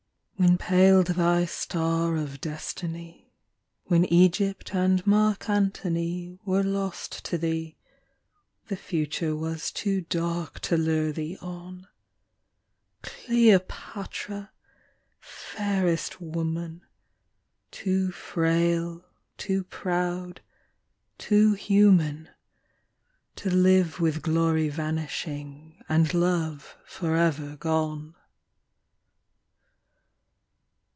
When paled thy star of destiny. When Egypt and Mark Antony Were lost to thee, the future was too dark to lure thee on ; Cleopatra! fairest woman, Too frail, too proud, too human To live with glory vanishing and love forever gone.